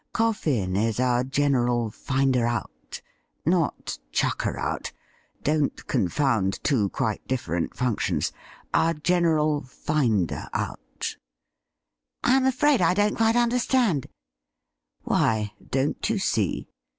Coffin is our general finder out — not chucker out ; don't confound two quite different functions — our general finder out.' ' I am afraid I don't quite understand.' 'Why, don't you see.?